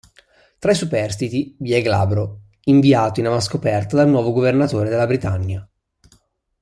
Tra i superstiti vi è Glabro, inviato in avanscoperta dal nuovo governatore della Britannia.